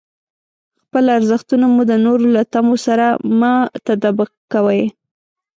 خپل ارزښتونه مو د نورو له تمو سره مه تطابق کوئ.